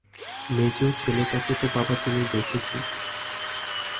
মেজো ছেলেটাকে তো বাবা তুমি দেখেছি।